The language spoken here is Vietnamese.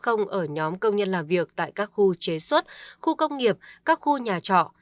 không ở nhóm công nhân làm việc tại các khu chế xuất khu công nghiệp các khu nhà trọ